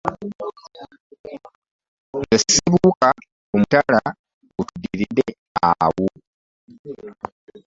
Nze nsibuka ku mutala ogutuddirira awo.